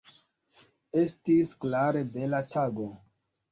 Estis klare bela tago.